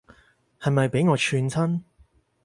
係咪畀我串親